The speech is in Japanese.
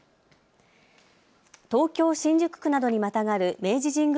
東京新宿区などにまたがる明治神宮